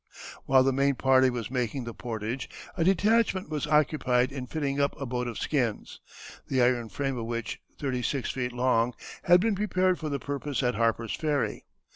While the main party was making the portage, a detachment was "occupied in fitting up a boat of skins, the iron frame of which, thirty six feet long, had been prepared for the purpose at Harper's Ferry.